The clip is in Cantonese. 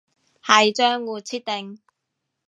係賬戶設定